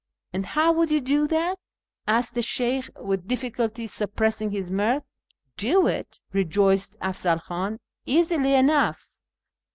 " And how Avould you do that ?" asked the Sheykh, with difficulty suppressing his mirth. " Do it ?" rejoined Afzal Khi'in ;" easily enough.